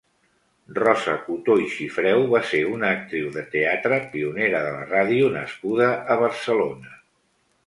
Rosa Cotó i Xifreu va ser una actriu de teatre, pionera de la ràdio nascuda a Barcelona.